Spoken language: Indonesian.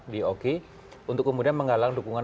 di oki untuk kemudian menggalang dukungan